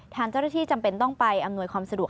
ทางเจ้าหน้าที่จำเป็นต้องไปอำนวยความสะดวก